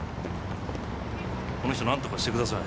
この人何とかしてください。